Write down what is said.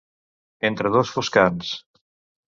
Entre dos foscants.